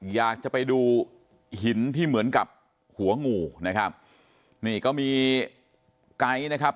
อยากจะไปดูหินที่เหมือนกับหัวงูนะครับนี่ก็มีไก๊นะครับ